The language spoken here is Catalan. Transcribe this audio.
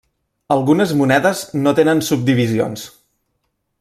Algunes monedes no tenen subdivisions.